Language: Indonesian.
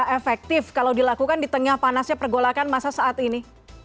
efektif kalau dilakukan di tengah panasnya pergolakan masa saat ini